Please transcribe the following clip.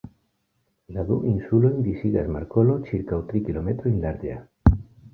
La du insulojn disigas markolo ĉirkaŭ tri kilometrojn larĝa.